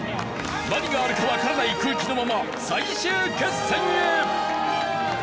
何があるかわからない空気のまま最終決戦へ！